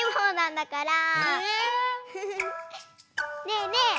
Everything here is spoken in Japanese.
ねえねえ